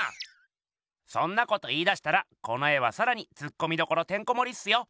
そんなこと言いだしたらこの絵はさらにツッコミどころてんこもりっすよ。